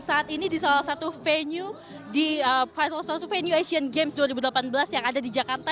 saat ini di salah satu venue asian games dua ribu delapan belas yang ada di jakarta